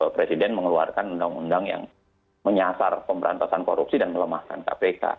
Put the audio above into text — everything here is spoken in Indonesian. presiden mengeluarkan undang undang yang menyasar pemberantasan korupsi dan melemahkan kpk